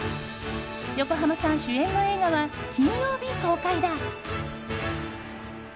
横浜さん主演の映画は金曜日公開だ。